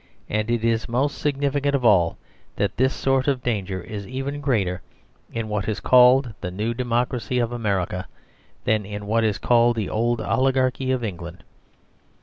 And it is most significant of all that this sort of danger is even greater in what is called the new democracy of America than in what is called the old oligarchy of England.